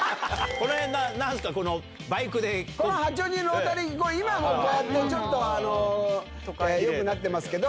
この辺、なんです八王子のロータリー、今、もうこうやって、ちょっとよくなってますけど。